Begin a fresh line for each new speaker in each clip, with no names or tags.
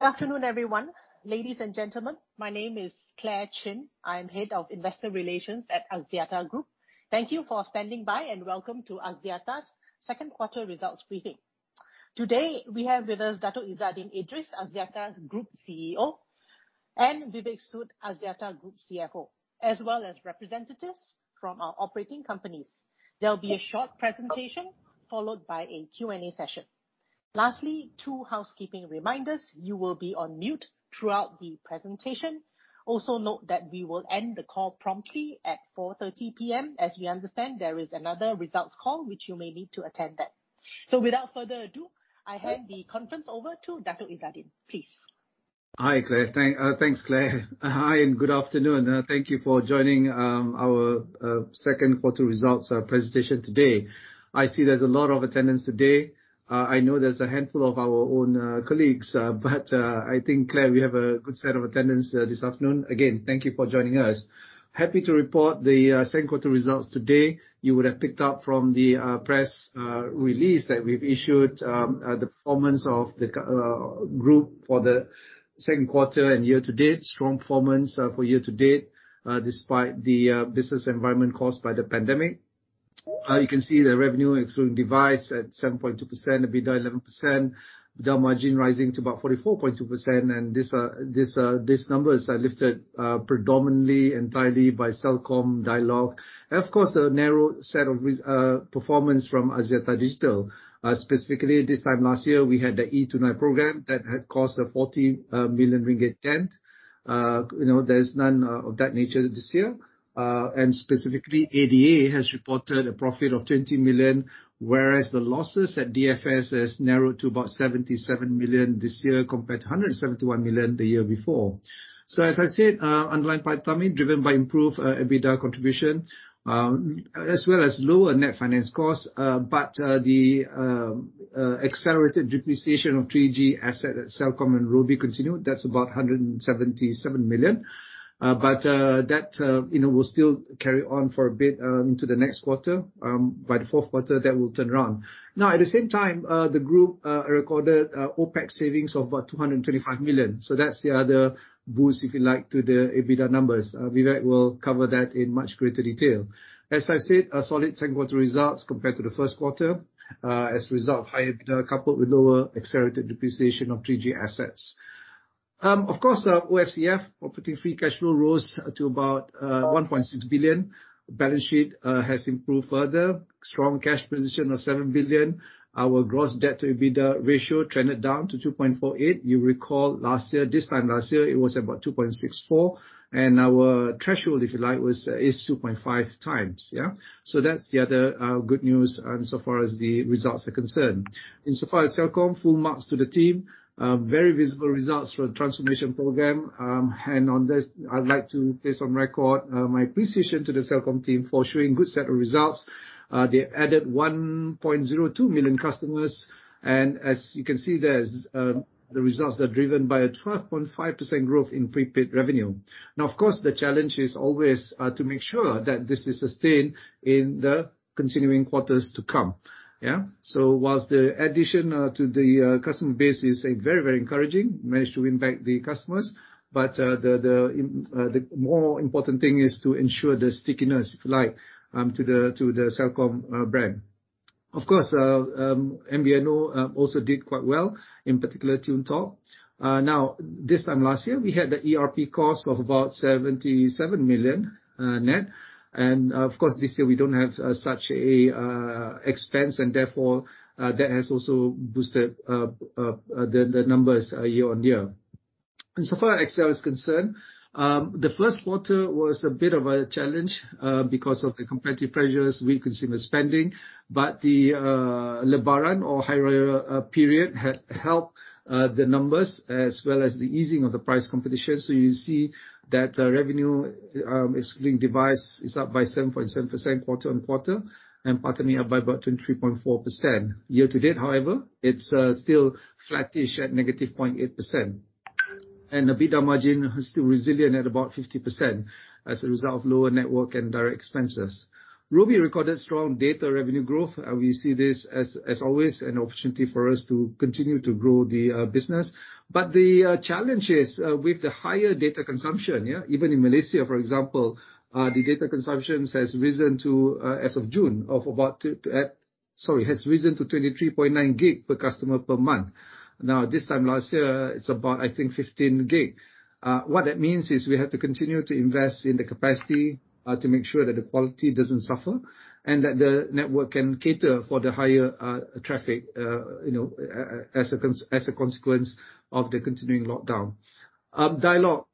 Good afternoon, everyone. Ladies and gentlemen, my name is Clare Chin. I am Head of Investor Relations at Axiata Group. Thank you for standing by and welcome to Axiata's second quarter results briefing. Today, we have with us Dato' Izzaddin Idris, Axiata Group CEO, and Vivek Sood, Axiata Group CFO, as well as representatives from our operating companies. There will be a short presentation followed by a Q&A session. Lastly, two housekeeping reminders. You will be on mute throughout the presentation. Note that we will end the call promptly at 4:30PM. As we understand, there is another results call which you may need to attend then. Without further ado, I hand the conference over to Dato' Izzaddin, please.
Hi, Clare. Thanks, Clare. Hi, and good afternoon. Thank you for joining our second quarter results presentation today. I see there's a lot of attendance today. I know there's a handful of our own colleagues. I think, Clare, we have a good set of attendance this afternoon. Again, thank you for joining us. Happy to report the second quarter results today. You would have picked up from the press release that we've issued, the performance of the group for the second quarter and year-to-date. Strong performance for year-to-date, despite the business environment caused by the pandemic. You can see the revenue excluding device at 7.2%, EBITDA 11%, the margin rising to about 44.2%. These numbers are lifted predominantly entirely by Celcom, Dialog. Of course, a narrow set of performance from Axiata Digital. Specifically, this time last year, we had the e-Tunai program that had cost a 40 million ringgit dent. There's none of that nature this year. Specifically, ADA has reported a profit of 20 million, whereas the losses at DFS has narrowed to about 77 million this year compared to 171 million the year before. As I said, underlying PATAMI driven by improved EBITDA contribution, as well as lower net finance costs. The accelerated depreciation of 3G assets at Celcom and Robi continued. That's about 177 million. That will still carry on for a bit into the next quarter. By the fourth quarter, that will turn around. At the same time, the group recorded OPEX savings of about 225 million. That's the other boost, if you like, to the EBITDA numbers. Vivek will cover that in much greater detail. As I said, a solid second quarter results compared to the first quarter. As a result of higher EBITDA coupled with lower accelerated depreciation of 3G assets. Of course, OCF, operating free cash flow, rose to about 1.6 billion. Balance sheet has improved further. Strong cash position of 7 billion. Our gross debt-to-EBITDA ratio trended down to 2.48. You recall this time last year, it was about 2.64, and our threshold, if you like, is 2.5x. Yeah. That's the other good news so far as the results are concerned. In so far as Celcom, full marks to the team. Very visible results from the transformation program. On this, I'd like to place on record my appreciation to the Celcom team for showing good set of results. They added 1.02 million customers, and as you can see, the results are driven by a 12.5% growth in prepaid revenue. Of course, the challenge is always to make sure that this is sustained in the continuing quarters to come. Yeah. Whilst the addition to the customer base is very encouraging, managed to win back the customers. The more important thing is to ensure the stickiness, if you like, to the Celcom brand. Of course, MVNO also did quite well, in particular Tune Talk. This time last year, we had the ERP cost of about 77 million net. Of course, this year we don't have such an expense, and therefore, that has also boosted the numbers year-on-year. In so far as XL is concerned, the first quarter was a bit of a challenge because of the competitive pressures, weak consumer spending, but the Lebaran or higher period helped the numbers as well as the easing of the price competition. You see that revenue excluding device is up by 7.7% quarter-on-quarter and PATAMI up by about 23.4%. Year-to-date, however, it's still flattish at negative 0.8%. EBITDA margin is still resilient at about 50%, as a result of lower network and direct expenses. Robi recorded strong data revenue growth. We see this as always an opportunity for us to continue to grow the business. The challenge is with the higher data consumption. Even in Malaysia, for example, the data consumption has risen to 23.9 gig per customer per month. This time last year, it's about, I think, 15 gig. What that means is we have to continue to invest in the capacity to make sure that the quality doesn't suffer and that the network can cater for the higher traffic as a consequence of the continuing lockdown. Dialog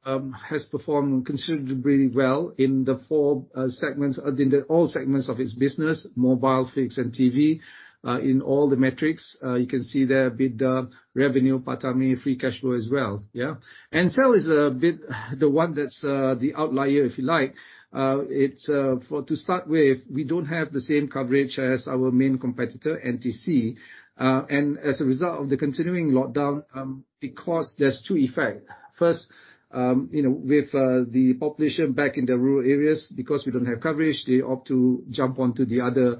has performed considerably well in all segments of its business, mobile, fixed, and TV, in all the metrics. You can see there EBITDA, revenue, PATAMI, free cash flow as well. Yeah? Ncell is a bit the one that's the outlier, if you like. To start with, we don't have the same coverage as our main competitor, Nepal Telecom. As a result of the continuing lockdown, because there's two effects. First, with the population back in the rural areas, because we don't have coverage, they opt to jump onto the other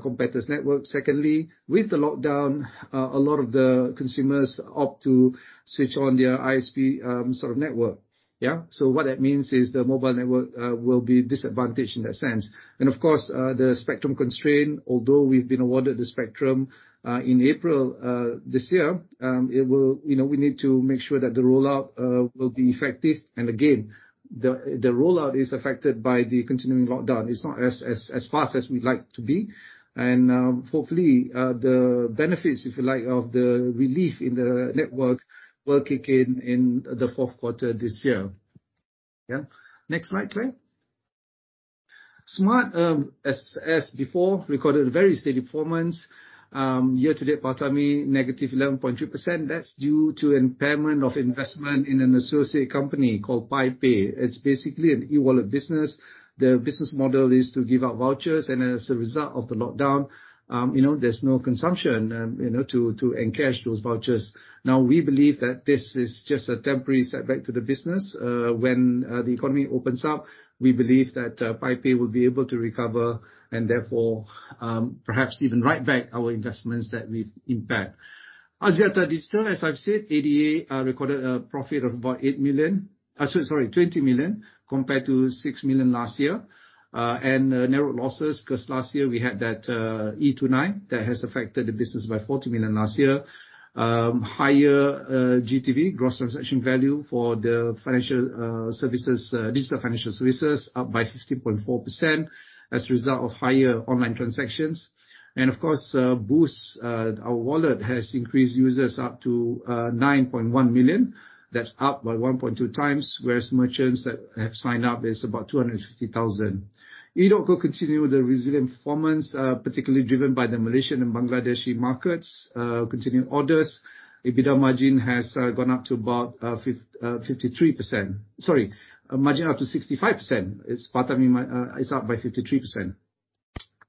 competitor's network. Secondly, with the lockdown, a lot of the consumers opt to switch on their ISP sort of network. Yeah. What that means is the mobile network will be disadvantaged in that sense. Of course, the spectrum constraint, although we've been awarded the spectrum in April this year, we need to make sure that the rollout will be effective. Again, the rollout is affected by the continuing lockdown. It's not as fast as we'd like to be. Hopefully, the benefits, if you like, of the relief in the network will kick in in the fourth quarter this year. Next slide, Clare. Smart, as before, recorded a very steady performance. Year-to-date PATAMI negative 11.3%. That's due to impairment of investment in an associate company called Pi Pay. It's basically an e-wallet business. The business model is to give out vouchers, and as a result of the lockdown, there's no consumption to encash those vouchers. We believe that this is just a temporary setback to the business. When the economy opens up, we believe that Pi Pay will be able to recover and therefore, perhaps even write back our investments that we've impaired. Axiata Digital, as I've said, ADA, recorded a profit of about 20 million compared to 6 million last year. Narrowed losses because last year we had that e-Tunai that has affected the business by 40 million last year. Higher GTV, gross transaction value for the Digital Financial Services, up by 50.4% as a result of higher online transactions. Of course, Boost, our wallet, has increased users up to 9.1 million. That's up by 1.2x, whereas merchants that have signed up, there's about 250,000. edotco continued a resilient performance, particularly driven by the Malaysian and Bangladeshi markets. Continued orders. EBITDA margin has gone up to about 53%. Sorry, margin up to 65%. Its PATAMI is up by 53%.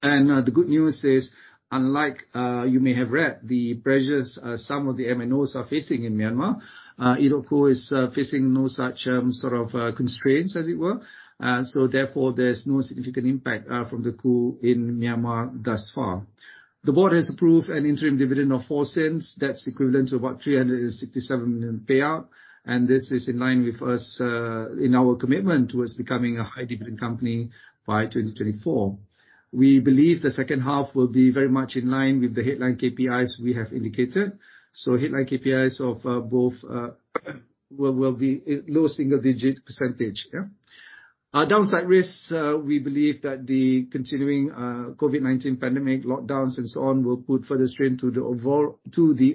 The good news is, unlike you may have read, the pressures some of the MNOs are facing in Myanmar, edotco is facing no such sort of constraints as it were. There's no significant impact from the coup in Myanmar thus far. The board has approved an interim dividend of 0.04. That's equivalent to about 367 million payout, and this is in line with our commitment towards becoming a high dividend company by 2024. We believe the second half will be very much in line with the headline KPIs we have indicated. Headline KPIs of both will be low single-digit percentage. Yeah. Our downside risks, we believe that the continuing COVID-19 pandemic lockdowns and so on will put further strain to the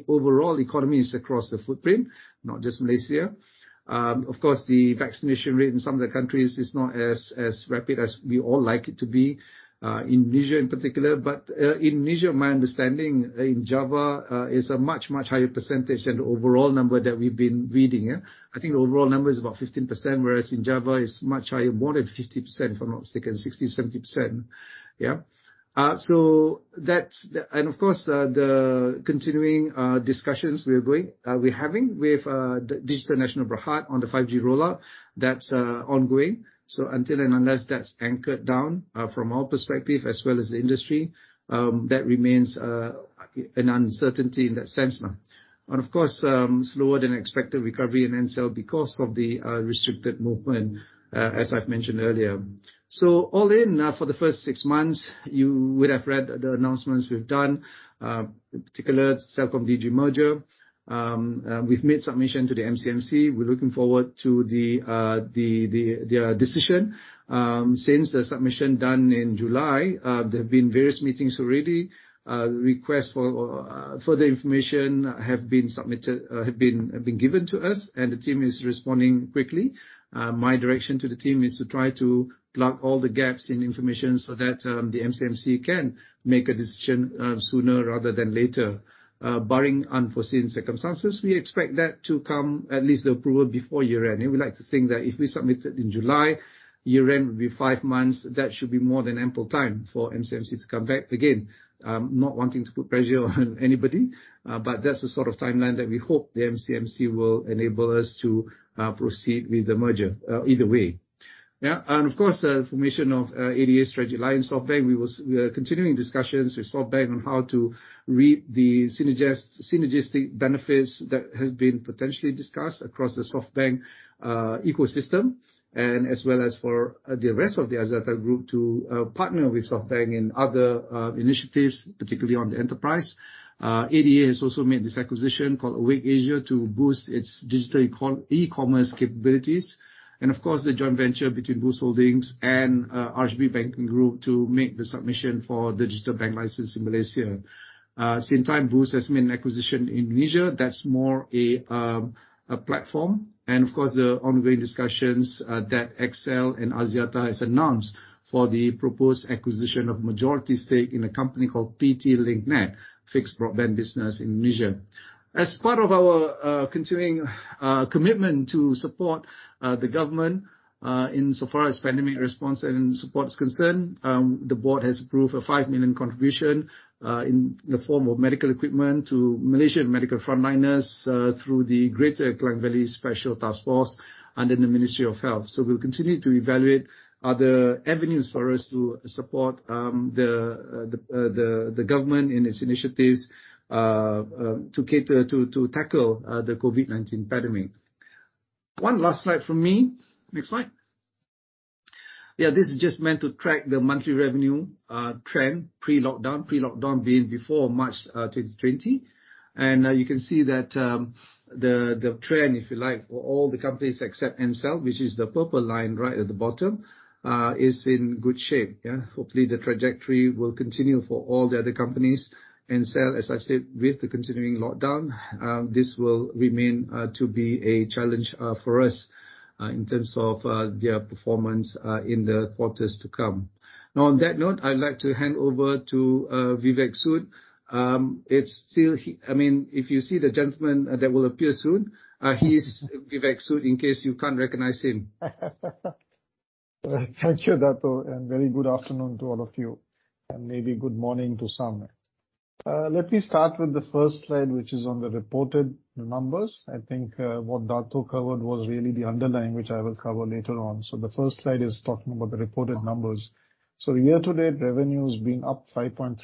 overall economies across the footprint, not just Malaysia. Of course, the vaccination rate in some of the countries is not as rapid as we all like it to be, Indonesia in particular. Indonesia, my understanding in Java, is a much, much higher percentage than the overall number that we've been reading. Yeah. I think overall number is about 15%, whereas in Java it's much higher, more than 50%, if I'm not mistaken, 60%, 70%. Yeah. Of course, the continuing discussions we're having with Digital Nasional Berhad on the 5G rollout, that's ongoing. Until and unless that's anchored down, from our perspective as well as the industry, that remains an uncertainty in that sense. Of course, slower-than-expected recovery in Ncell because of the restricted movement, as I've mentioned earlier. All in, for the first six months, you would have read the announcements we've done, in particular, CelcomDigi merger. We've made submission to the MCMC. We're looking forward to their decision. Since the submission done in July, there have been various meetings already. Requests for further information have been given to us, and the team is responding quickly. My direction to the team is to try to plug all the gaps in information so that the MCMC can make a decision sooner rather than later. Barring unforeseen circumstances, we expect that to come, at least the approval, before year-end. We would like to think that if we submitted in July, year-end will be five months. That should be more than ample time for MCMC to come back. Again, not wanting to put pressure on anybody, but that's the sort of timeline that we hope the MCMC will enable us to proceed with the merger, either way. Yeah. Of course, the formation of ADA Strategic Alliance SoftBank. We are continuing discussions with SoftBank on how to reap the synergistic benefits that has been potentially discussed across the SoftBank ecosystem and as well as for the rest of the Axiata Group to partner with SoftBank in other initiatives, particularly on the enterprise. ADA has also made this acquisition called Awake Asia to boost its digital e-commerce capabilities and of course, the joint venture between Boost Holdings and RHB Bank Group to make the submission for digital bank license in Malaysia. Same time, Boost has made an acquisition in Indonesia that's more a platform. Of course, the ongoing discussions that XL and Axiata has announced for the proposed acquisition of majority stake in a company called PT Link Net, fixed broadband business in Indonesia. As part of our continuing commitment to support the government, insofar as pandemic response and support is concerned, the board has approved a 5 million contribution, in the form of medical equipment to Malaysian medical frontliners, through the Greater Klang Valley Special Task Force under the Ministry of Health. We'll continue to evaluate other avenues for us to support the government in its initiatives to tackle the COVID-19 pandemic. One last slide from me. Next slide. This is just meant to track the monthly revenue trend pre-lockdown. Pre-lockdown being before March 2020. You can see that the trend, if you like, for all the companies except Ncell, which is the purple line right at the bottom, is in good shape. Hopefully, the trajectory will continue for all the other companies. Ncell, as I've said, with the continuing lockdown, this will remain to be a challenge for us in terms of their performance in the quarters to come. On that note, I'd like to hand over to Vivek Sood. If you see the gentleman that will appear soon, he's Vivek Sood in case you can't recognize him.
Thank you, Dato', and very good afternoon to all of you, and maybe good morning to some. Let me start with the first slide, which is on the reported numbers. I think what Dato' covered was really the underlying, which I will cover later on. The first slide is talking about the reported numbers. Year-to-date revenue has been up 5.3%,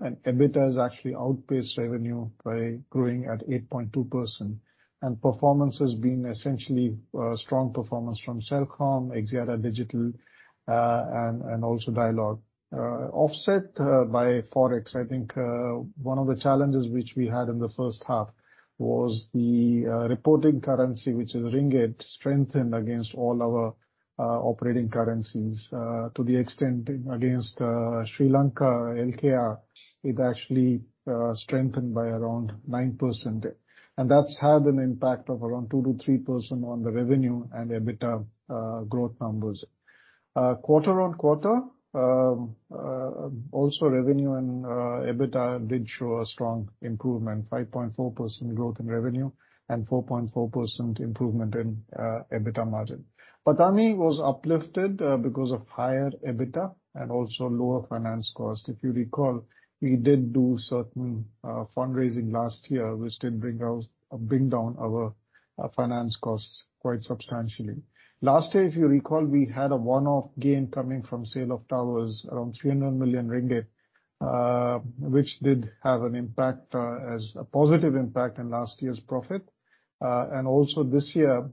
and EBITDA has actually outpaced revenue by growing at 8.2%. Performance has been essentially strong performance from Celcom, Axiata Digital, and also Dialog. Offset by Forex. I think one of the challenges which we had in the first half was the reporting currency, which is ringgit, strengthened against all our operating currencies to the extent against Sri Lanka, LKR. It actually strengthened by around 9%, and that's had an impact of around 2%-3% on the revenue and EBITDA growth numbers. Quarter-on-quarter, also revenue and EBITDA did show a strong improvement, 5.4% growth in revenue and 4.4% improvement in EBITDA margin. PATAMI was uplifted because of higher EBITDA and also lower finance cost. If you recall, we did do certain fundraising last year, which did bring down our finance costs quite substantially. Last year, if you recall, we had a one-off gain coming from sale of towers, around 300 million ringgit, which did have an impact as a positive impact in last year's profit. Also this year,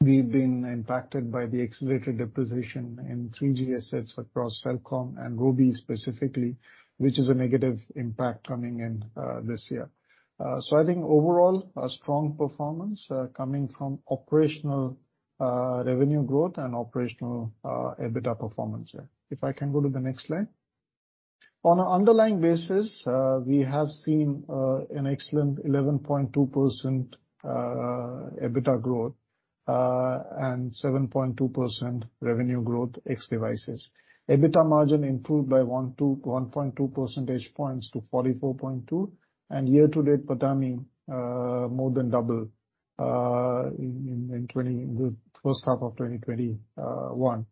we've been impacted by the accelerated depreciation in 3G assets across Celcom and Robi specifically, which is a negative impact coming in this year. I think overall, a strong performance coming from operational revenue growth and operational EBITDA performance there. If I can go to the next slide. On an underlying basis, we have seen an excellent 11.2% EBITDA growth and 7.2% revenue growth ex-devices. EBITDA margin improved by 1.2 percentage points to 44.2%. Year-to-date PATAMI more than double in the first half of 2021.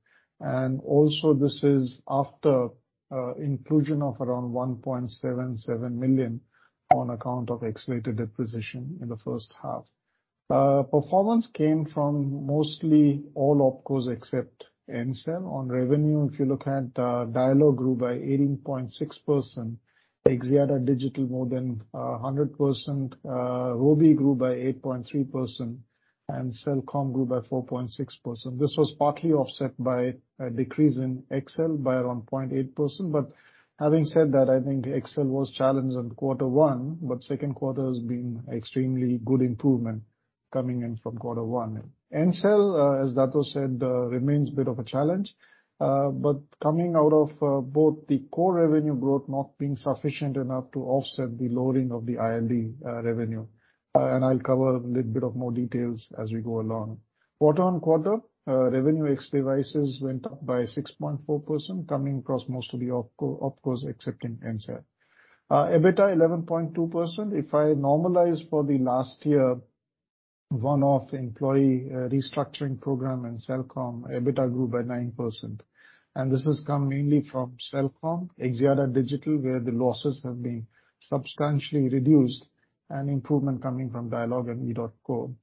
Also, this is after inclusion of around 1.77 million on account of accelerated depreciation in the first half. Performance came from mostly all OpCos except Ncell. On revenue, if you look at Dialog grew by 18.6%, Axiata Digital more than 100%, Robi grew by 8.3%, and Celcom grew by 4.6%. This was partly offset by a decrease in XL by around 0.8%. Having said that, I think XL was challenged on quarter one, but second quarter has been extremely good improvement coming in from quarter one. Ncell, as Dato' said, remains a bit of a challenge. Coming out of both the core revenue growth not being sufficient enough to offset the lowering of the ILD revenue. I'll cover a little bit of more details as we go along. Quarter-on-quarter, revenue ex-devices went up by 6.4%, coming across most of the OpCos accepting Ncell. EBITDA 11.2%. If I normalize for the last year one-off employee restructuring program in Celcom, EBITDA grew by 9%. This has come mainly from Celcom, Axiata Digital, where the losses have been substantially reduced and improvement coming from Dialog and edotco.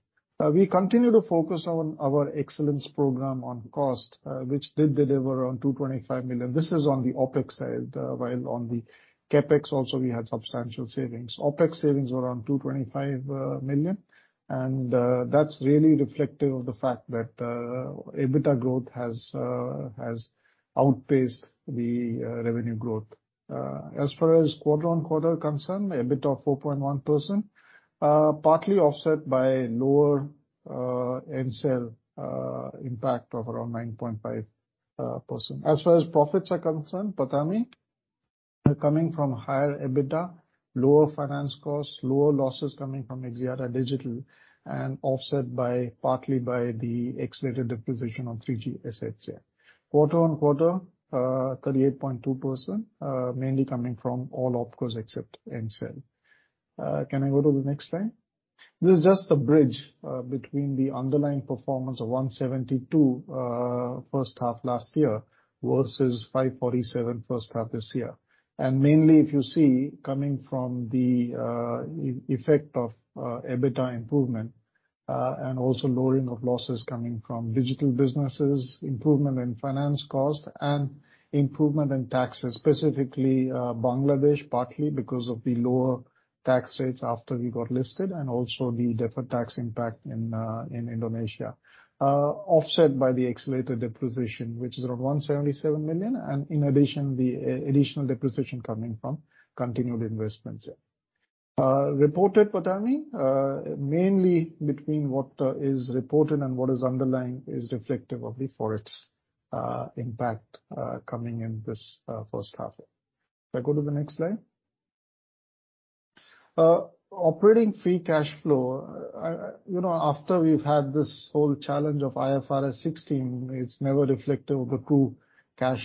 We continue to focus on our excellence program on cost, which did deliver around 225 million. This is on the OpEx side. While on the CapEx also, we had substantial savings. OpEx savings were around 225 million, and that's really reflective of the fact that EBITDA growth has outpaced the revenue growth. As far as quarter-on-quarter concerned, EBITDA of 4.1%, partly offset by lower Ncell impact of around 9.5%. As far as profits are concerned, PATAMI coming from higher EBITDA, lower finance costs, lower losses coming from Axiata Digital and offset partly by the accelerated depreciation on 3G assets there. Quarter-on-quarter, 38.2% mainly coming from all OpCos except Ncell. Can I go to the next slide? This is just a bridge between the underlying performance of 172 first half last year versus 547 first half this year. Mainly, if you see, coming from the effect of EBITDA improvement and also lowering of losses coming from digital businesses, improvement in finance cost, and improvement in taxes, specifically Bangladesh, partly because of the lower tax rates after we got listed, and also the deferred tax impact in Indonesia. Offset by the accelerated depreciation, which is around 177 million, and in addition, the additional depreciation coming from continued investments. Reported PATAMI, mainly between what is reported and what is underlying is reflective of the Forex impact coming in this first half. Can I go to the next slide? Operating Free Cash Flow. After we've had this whole challenge of IFRS 16, it's never reflective of the true cash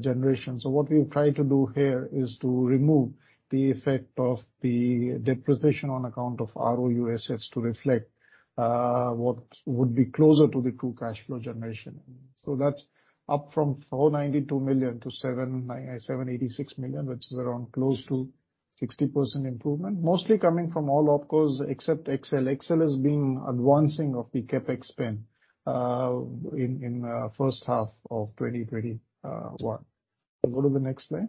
generation. What we've tried to do here is to remove the effect of the depreciation on account of ROU assets to reflect what would be closer to the true cash flow generation. That's up from 492 million to 786 million, which is around close to 60% improvement. Mostly coming from all OpCos except XL. XL is being advancing of the CapEx spend in first half of 2021. Go to the next slide.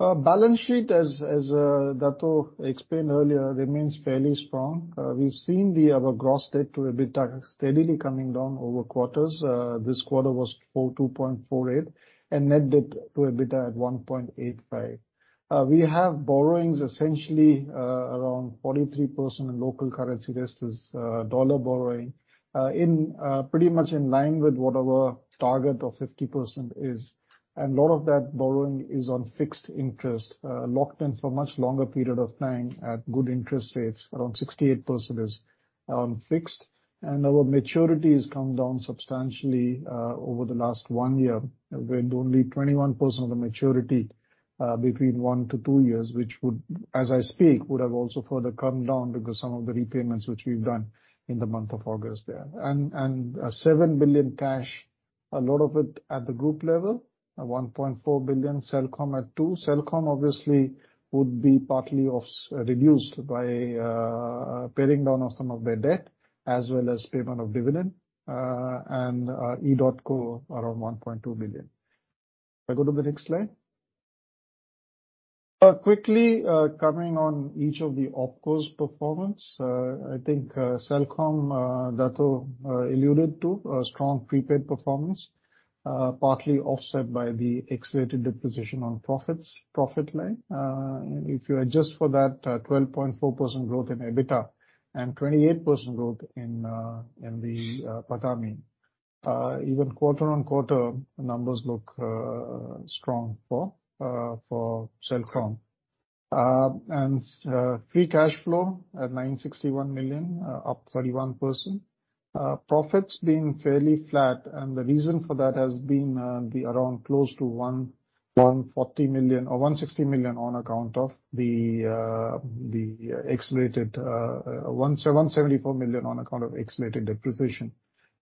Balance sheet, as Dato' explained earlier, remains fairly strong. We've seen our gross debt to EBITDA steadily coming down over quarters. This quarter was 42.48 and net debt to EBITDA at 1.85. We have borrowings essentially around 43% in local currency, rest is dollar borrowing. Pretty much in line with what our target of 50% is. Lot of that borrowing is on fixed interest, locked in for much longer period of time at good interest rates. Around 68% is on fixed. Our maturity has come down substantially over the last one year. We have only 21% of the maturity between one to two years, which would, as I speak, would have also further come down because some of the repayments which we've done in the month of August there. 7 billion cash, a lot of it at the group level, 1.4 billion Celcom at 2. Celcom obviously would be partly reduced by paring down of some of their debt as well as payment of dividend, and edotco around 1.2 billion. Can I go to the next slide? Quickly covering on each of the OpCos performance. I think Celcom, Dato' alluded to a strong prepaid performance, partly offset by the accelerated depreciation on profit line. If you adjust for that 12.4% growth in EBITDA and 28% growth in the PATAMI. Even quarter-on-quarter, the numbers look strong for Celcom. Free cash flow at 961 million, up 31%. Profits been fairly flat, and the reason for that has been around close to 140 million or 160 million, 174 million on account of accelerated depreciation,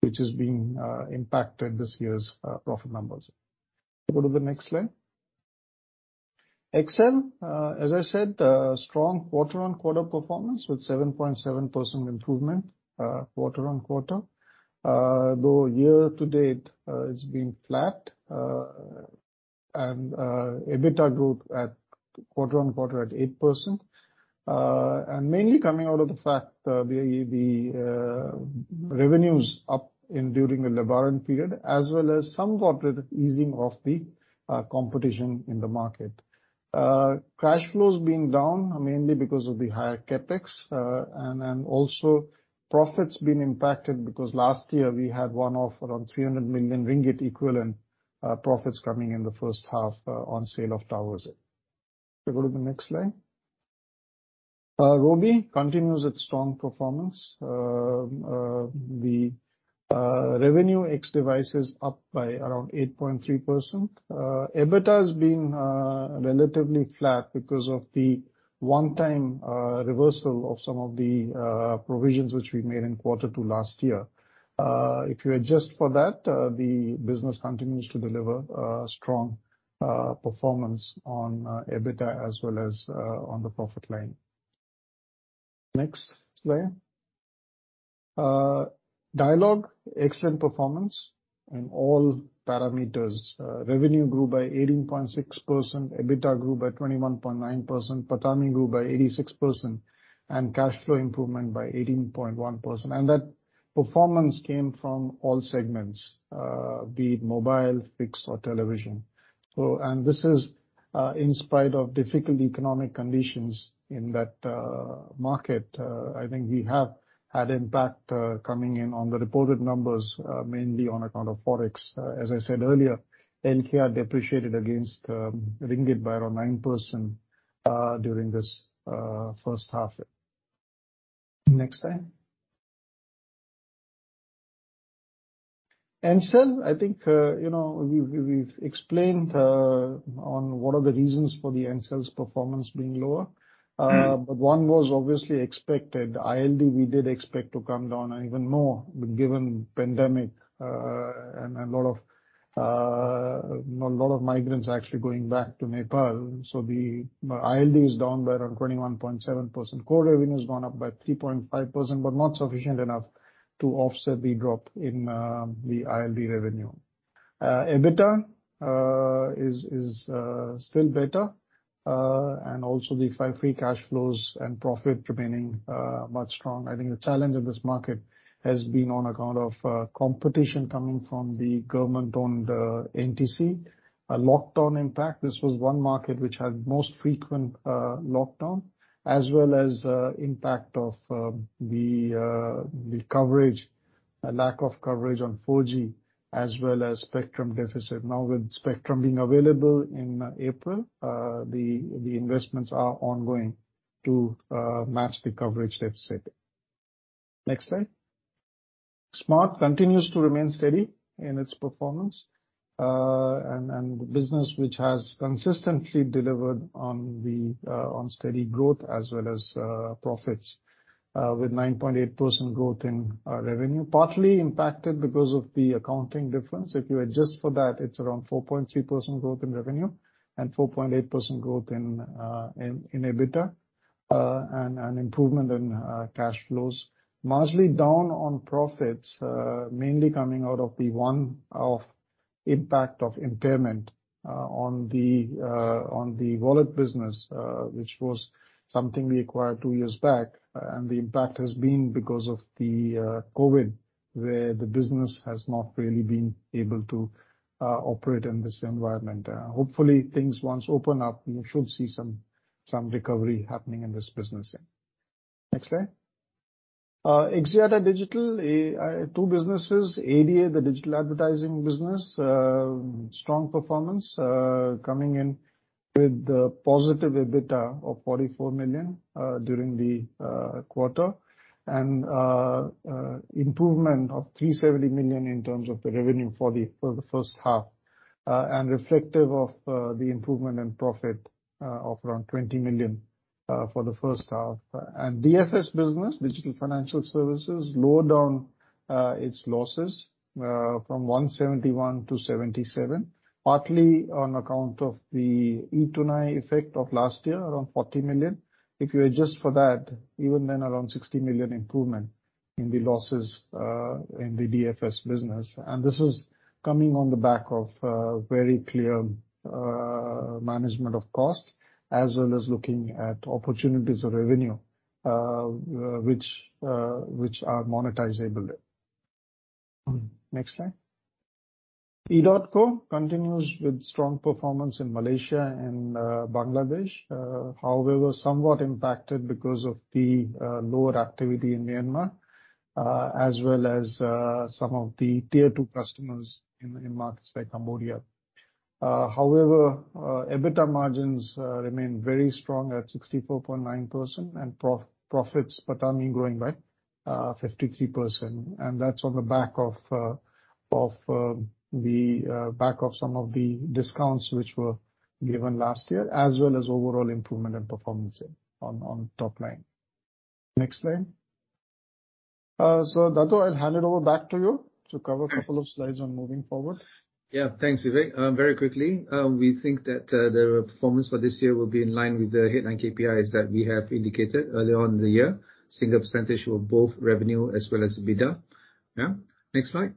which has been impacting this year's profit numbers. Go to the next slide. XL, as I said, strong quarter-on-quarter performance with 7.7% improvement quarter-on-quarter. Though year to date, it's been flat. EBITDA growth at quarter on quarter at 8%. Mainly coming out of the fact the revenues up during the Lebaran period as well as some corporate easing of the competition in the market. Cash flows been down mainly because of the higher CapEx. Also profits been impacted because last year we had one-off around 300 million ringgit equivalent profits coming in the first half on sale of towers. Can we go to the next slide? Robi continues its strong performance. The revenue ex devices up by around 8.3%. EBITDA has been relatively flat because of the one-time reversal of some of the provisions which we made in quarter two last year. If you adjust for that, the business continues to deliver strong performance on EBITDA as well as on the profit line. Next slide. Dialog, excellent performance in all parameters. Revenue grew by 18.6%, EBITDA grew by 21.9%, PATAMI grew by 86%, and cash flow improvement by 18.1%. That performance came from all segments, be it mobile, fixed, or television. This is in spite of difficult economic conditions in that market. I think we have had impact coming in on the reported numbers mainly on account of Forex. As I said earlier, LKR depreciated against MYR by around 9% during this first half. Next slide. Ncell, I think we've explained on what are the reasons for the Ncell's performance being lower. One was obviously expected. ILD, we did expect to come down even more, given pandemic, and a lot of migrants actually going back to Nepal. The ILD is down by around 21.7%. Core revenue has gone up by 3.5%, not sufficient enough to offset the drop in the ILD revenue. EBITDA is still better, also the five free cash flows and profit remaining much strong. I think the challenge in this market has been on account of competition coming from the government-owned NTC. A lockdown impact, this was one market which had most frequent lockdown, as well as impact of the coverage, a lack of coverage on 4G, as well as spectrum deficit. With spectrum being available in April, the investments are ongoing to match the coverage deficit. Next slide. Smart Axiata continues to remain steady in its performance, and the business which has consistently delivered on steady growth as well as profits, with 9.8% growth in revenue, partly impacted because of the accounting difference. If you adjust for that, it's around 4.3% growth in revenue and 4.8% growth in EBITDA and improvement in cash flows. Mostly down on profits, mainly coming out of the one-off impact of impairment on the wallet business, which was something we acquired two years back, and the impact has been because of the COVID, where the business has not really been able to operate in this environment. Hopefully, things once open up, we should see some recovery happening in this business. Next slide. Axiata Digital, two businesses. ADA, the digital advertising business. Strong performance, coming in with positive EBITDA of 44 million during the quarter, improvement of 370 million in terms of the revenue for the first half, reflective of the improvement in profit of around 20 million for the first half. DFS business, Digital Financial Services, lowered down its losses from 171 to 77, partly on account of the e-Tunai effect of last year, around 40 million. If you adjust for that, even then around 60 million improvement in the losses in the DFS business. This is coming on the back of very clear management of cost as well as looking at opportunities of revenue which are monetizable. Next slide. edotco continues with strong performance in Malaysia and Bangladesh. However, somewhat impacted because of the lower activity in Myanmar, as well as some of the tier two customers in markets like Cambodia. However, EBITDA margins remain very strong at 64.9% and profits, PATAMI growing by 53%. That's on the back of some of the discounts which were given last year, as well as overall improvement in performance on top line. Next slide. Dato', I'll hand it over back to you to cover a couple of slides on moving forward.
Thanks, Vivek. Very quickly, we think that the performance for this year will be in line with the headline KPIs that we have indicated earlier on in the year. Single percentage of both revenue as well as EBITDA. Next slide.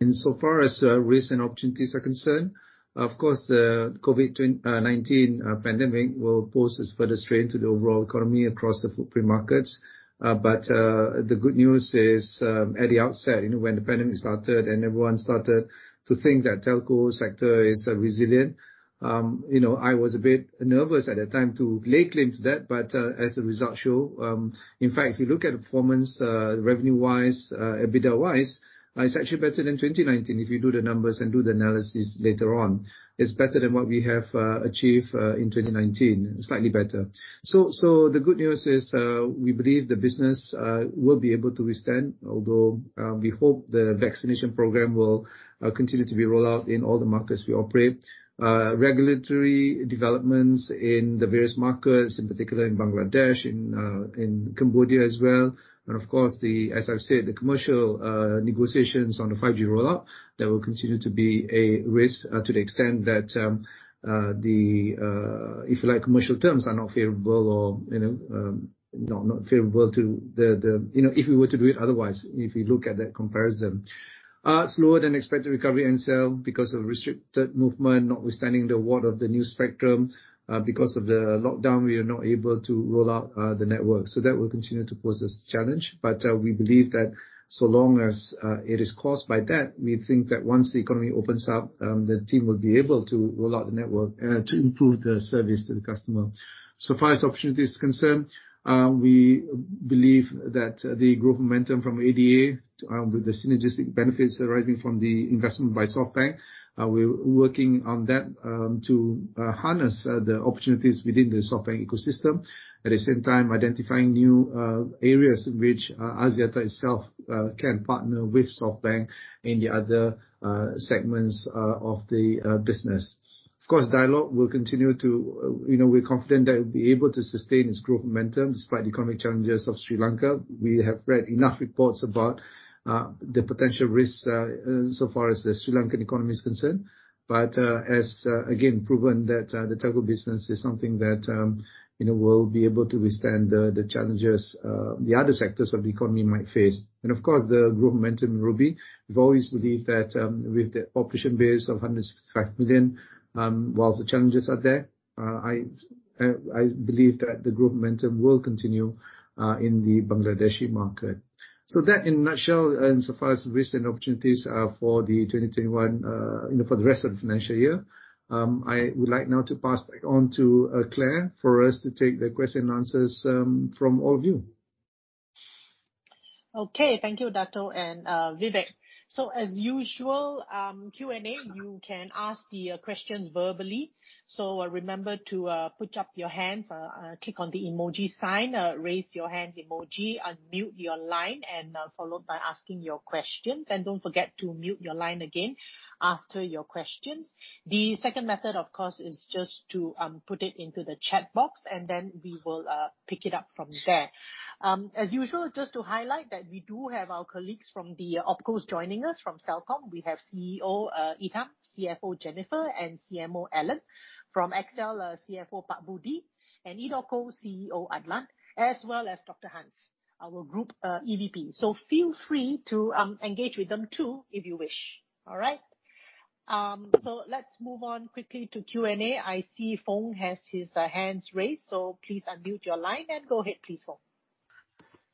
Insofar as risks and opportunities are concerned, of course, the COVID-19 pandemic will pose a further strain to the overall economy across the footprint markets. The good news is, at the outset, when the pandemic started and everyone started to think that telco sector is resilient, I was a bit nervous at that time to lay claim to that. As the results show, in fact, if you look at the performance, revenue-wise, EBITDA-wise, it's actually better than 2019 if you do the numbers and do the analysis later on. It's better than what we have achieved in 2019, slightly better. The good news is, we believe the business will be able to withstand, although we hope the vaccination program will continue to be rolled out in all the markets we operate. Regulatory developments in the various markets, in particular in Bangladesh, in Cambodia as well. Of course, as I've said, the commercial negotiations on the 5G rollout, that will continue to be a risk to the extent that the, if you like, commercial terms are not favorable to the If we were to do it otherwise, if we look at that comparison. Slower-than-expected recovery in Ncell because of restricted movement, notwithstanding the award of the new spectrum. Because of the lockdown, we are not able to roll out the network. That will continue to pose a challenge. We believe that so long as it is caused by that, we think that once the economy opens up, the team will be able to roll out the network to improve the service to the customer. So far as opportunity is concerned, we believe that the growth momentum from ADA, with the synergistic benefits arising from the investment by SoftBank, we're working on that to harness the opportunities within the SoftBank ecosystem. At the same time, identifying new areas in which Axiata itself can partner with SoftBank in the other segments of the business. Of course, we're confident that it'll be able to sustain its growth momentum despite the economic challenges of Sri Lanka. We have read enough reports about the potential risks so far as the Sri Lankan economy is concerned. As, again, proven that the telco business is something that will be able to withstand the challenges the other sectors of the economy might face, and of course, the growth momentum in Robi. We've always believed that with the population base of 165 million, whilst the challenges are there, I believe that the growth momentum will continue in the Bangladeshi market. That, in a nutshell, insofar as risks and opportunities for 2021, for the rest of the financial year. I would like now to pass back on to Clare for us to take the question and answers from all of you.
Okay. Thank you, Dato' and Vivek. As usual, Q&A, you can ask the questions verbally. Remember to put up your hands, click on the emoji sign, raise your hands emoji, unmute your line, and followed by asking your questions. Don't forget to mute your line again after your questions. The second method, of course, is just to put it into the chat box and then we will pick it up from there. As usual, just to highlight that we do have our colleagues from the OpCos joining us. From Celcom, we have CEO, Idham, CFO, Jennifer, and CMO, Alan. From XL, CFO, Pak Budi, and edotco, CEO, Adlan, as well as Dr. Hans, our Group EVP. Feel free to engage with them too, if you wish. All right? Let's move on quickly to Q&A. I see Foong has his hands raised, so please unmute your line and go ahead, please, Foong.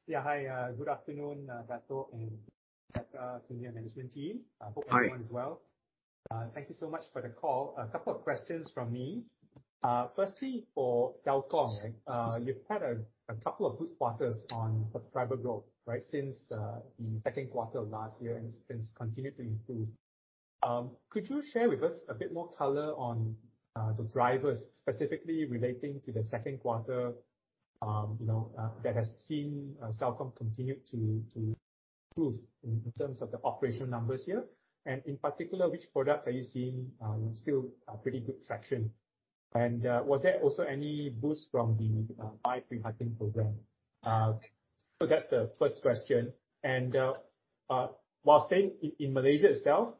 Yeah. Hi, good afternoon, Dato' and Axiata senior management team.
Hi.
Hope everyone's well. Thank you so much for the call. A couple questions from me. Firstly, for Celcom, you've had a couple good quarters on subscriber growth, right? Since the second quarter of last year and since continued to improve. Could you share with us a bit more color on the drivers specifically relating to the second quarter, that has seen Celcom continue to improve in terms of the operational numbers here? In particular, which products are you seeing still a pretty good traction. Was there also any boost from the MyPrihatin program? That's the first question. While staying in Malaysia itself,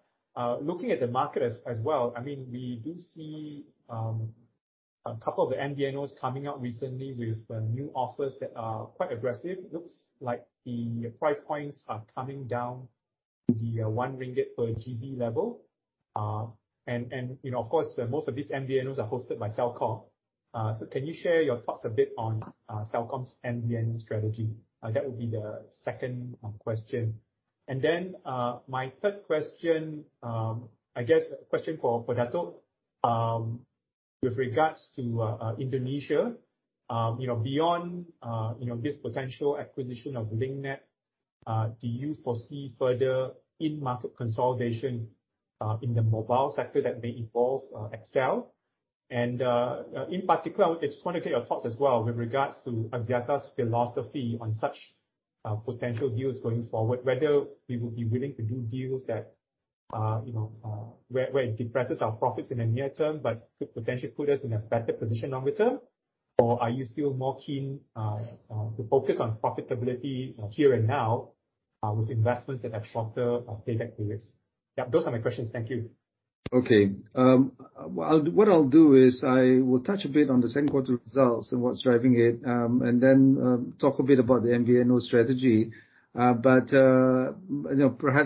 looking at the market as well, we do see a couple MVNOs coming out recently with new offers that are quite aggressive. Looks like the price points are coming down to the 1 ringgit per GB level. Of course, most of these MVNOs are hosted by Celcom. Can you share your thoughts a bit on Celcom's MVNO strategy? That would be the second question. Then, my third question, I guess a question for Dato'. With regards to Indonesia, beyond this potential acquisition of Link Net, do you foresee further in-market consolidation in the mobile sector that may involve XL? In particular, I just want to take your thoughts as well with regards to Axiata's philosophy on such potential deals going forward. Whether we would be willing to do deals where it depresses our profits in the near term, but could potentially put us in a better position longer term. Are you still more keen to focus on profitability here and now, with investments that have shorter payback periods? Those are my questions. Thank you.
Okay. What I'll do is I will touch a bit on the second quarter results and what's driving it, and then talk a bit about the MVNO strategy. Perhaps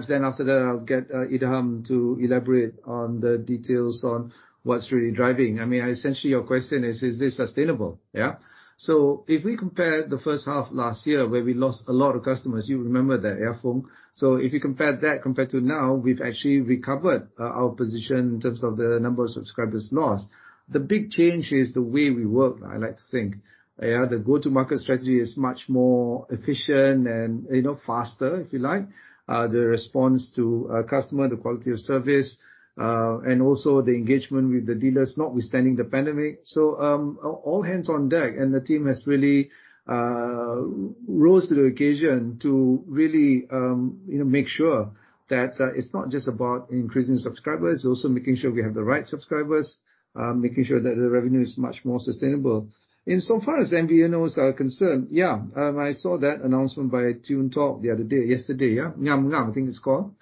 then after that, I'll get Idham to elaborate on the details on what's really driving. Essentially, your question is this sustainable? Yeah. If we compare the first half last year where we lost a lot of customers, you remember that, yeah, Foong? If you compare that compared to now, we've actually recovered our position in terms of the number of subscribers lost. The big change is the way we work, I like to think. The go-to-market strategy is much more efficient and faster, if you like. The response to customer, the quality of service, and also the engagement with the dealers, notwithstanding the pandemic. All hands on deck, and the team has really rose to the occasion to really make sure that it's not just about increasing subscribers. Also making sure we have the right subscribers, making sure that the revenue is much more sustainable. In so far as MVNOs are concerned, I saw that announcement by Tune Talk the other day. Yesterday. Ngam Ngam, I think it's called.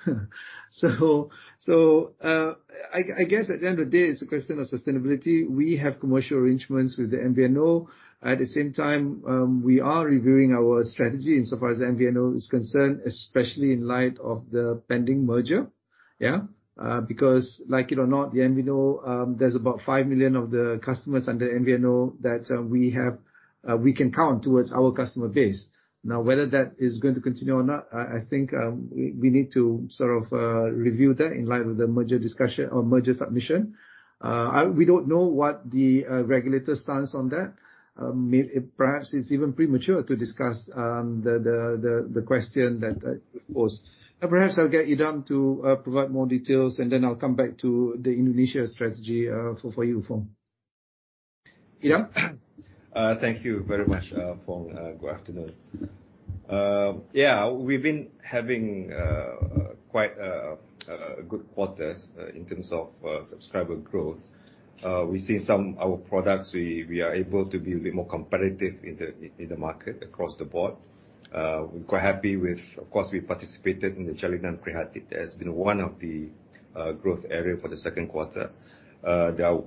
I guess at the end of the day, it's a question of sustainability. We have commercial arrangements with the MVNO. At the same time, we are reviewing our strategy in so far as the MVNO is concerned, especially in light of the pending merger. Yeah. Like it or not, the MVNO, there's about 5 million of the customers under MVNO that we can count towards our customer base. Now, whether that is going to continue or not, I think, we need to review that in light of the merger discussion or merger submission. We don't know what the regulator stance on that. Perhaps it's even premature to discuss the question that you posed. Perhaps I'll get Idham to provide more details, and then I'll come back to the Indonesia strategy, for you, Foong. Idham.
Thank you very much, Foong. Good afternoon. Yeah, we've been having quite a good quarter in terms of subscriber growth. We've seen some our products, we are able to be a bit more competitive in the market across the board. We're quite happy with, of course, we participated in the Jaringan Prihatin. That has been one of the growth area for the second quarter.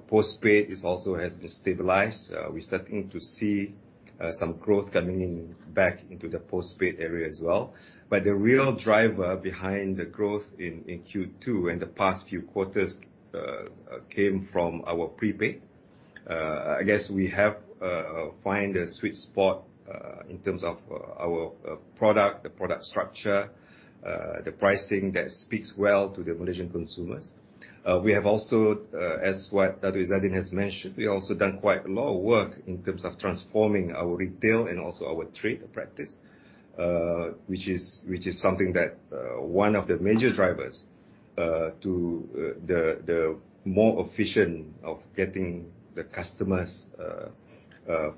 Postpaid is also has been stabilized. We're starting to see some growth coming in back into the postpaid area as well. The real driver behind the growth in Q2 and the past few quarters came from our prepaid. I guess we have find the sweet spot, in terms of our product, the product structure, the pricing that speaks well to the Malaysian consumers. We have also, as what Dato' Izzaddin has mentioned, we also done quite a lot of work in terms of transforming our retail and also our trade practice, which is something that one of the major drivers to the more efficient of getting the customers